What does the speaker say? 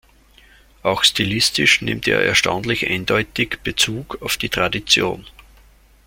Auch stilistisch nimmt er erstaunlich eindeutig Bezug auf die Tradition.